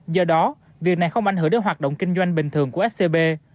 do đó việc này không ảnh hưởng đến hoạt động kinh doanh bình thường của scb